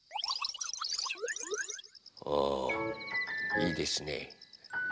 おいいですね。